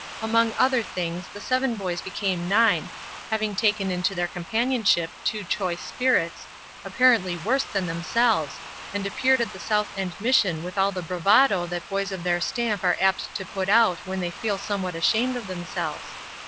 Among other things, the seven boys became nine, having taken to their companionship two choice spirits, apparently worse than themselves, and appeared at the South End Mission with all the bravado that boys of their stamp are apt to put on when they feel somewhat ashamed of themselves.